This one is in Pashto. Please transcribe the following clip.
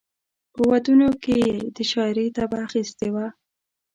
په ودونو کې یې د شاعرۍ طبع اخیستې وه.